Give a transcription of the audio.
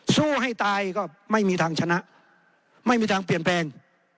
สู้ให้ตายก็ไม่มีทางชนะไม่มีทางเปลี่ยนแปลง